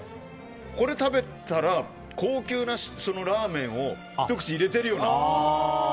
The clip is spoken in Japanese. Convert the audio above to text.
これ食べたら、高級なラーメンをひと口、入れてるような。